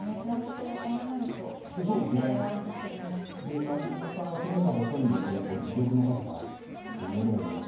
で丸山さんは攻めが細いんですけどやっぱ自玉の堅さに物を言わしてっていう。